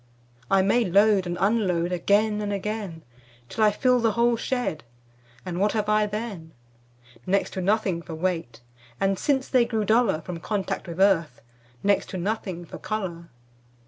I may load and unload Again and again Till I fill the whole shed, And what have I then? Next to nothing for weight, And since they grew duller From contact with earth, Next to nothing for color.